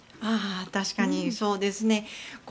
確かにそうですね。